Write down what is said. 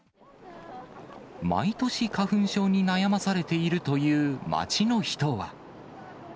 毎年花粉症に悩まされているという街の人は。